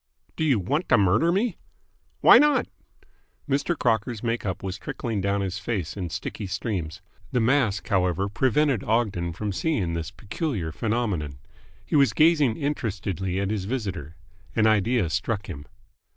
"Do you want to murder me?" "Why not?" Mr. Crocker's make up was trickling down his face in sticky streams. The mask, however, prevented Ogden from seeing this peculiar phenomenon. He was gazing interestedly at his visitor. An idea struck him.